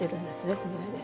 この絵で。